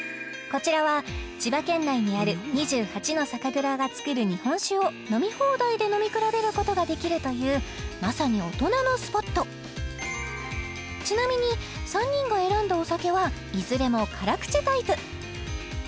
こちらは千葉県内にある２８の酒蔵が作る日本酒を飲み放題で飲み比べることができるというまさに大人のスポットちなみに３人が選んだお酒はいずれも辛口タイプ